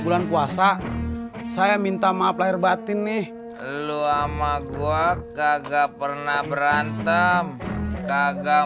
bulan puasa saya minta maaf lahir batin nih lu sama gue kagak pernah berantem kagang